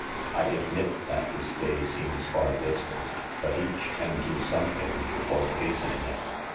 I admit that this day seems far distant, but each can do something toward hastening it.